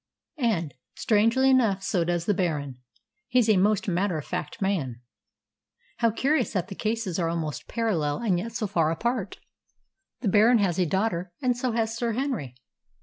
"And, strangely enough, so does the Baron. He's a most matter of fact man." "How curious that the cases are almost parallel, and yet so far apart! The Baron has a daughter, and so has Sir Henry."